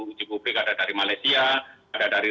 uji publik ada dari malaysia ada dari